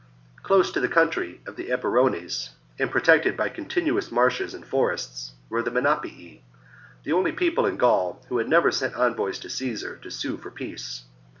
Close to the country of the Eburones, and protected by continuous marshes and forests, were the Menapii, the only people in Gaul who had never sent envoys to Caesar to sue for peace.